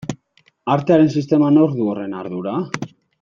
Artearen sisteman nork du horren ardura?